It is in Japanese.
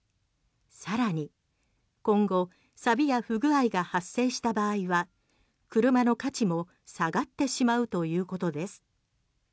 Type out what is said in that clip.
更に今後さびや不具合が発生した場合は車の価値も下がってしまうということです。